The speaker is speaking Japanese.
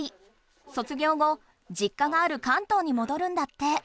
卒業後じっ家がある関東にもどるんだって。